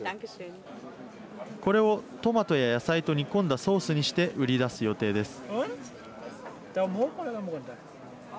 これをトマトや野菜と煮込んだソースにして売り出す予定です。